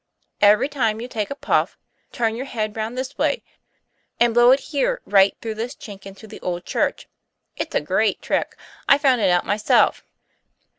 Every time you take a puff, turn your head round this way, and blow it here right through this chink into the old church. It's a great trick; I found it out myself."